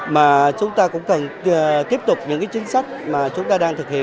mà chúng ta cũng cần tiếp tục những chính sách mà chúng ta đang thực hiện